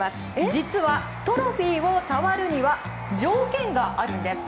実は、トロフィーを触るには条件があるんです。